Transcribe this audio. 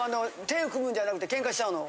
手組むんじゃなくてケンカしちゃうの？